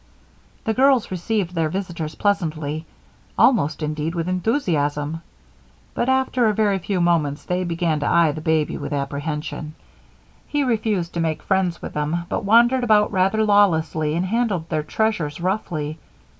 The girls received their visitors pleasantly; almost, indeed, with enthusiasm; but after a very few moments, they began to eye the baby with apprehension. He refused to make friends with them but wandered about rather lawlessly and handled their treasures roughly.